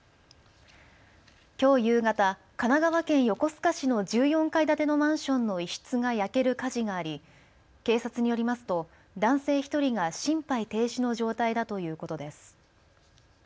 きょう夕方、神奈川県横須賀市の１４階建てのマンションの一室が焼ける火事があり、警察によりますと男性１人が心肺停止の状態だということです。